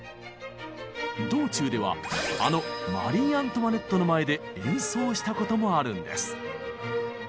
道中ではあのマリー・アントワネットの前で演奏したこともあるんです！